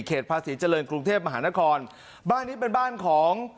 ภาษีเจริญกรุงเทพมหานครบ้านนี้เป็นบ้านของ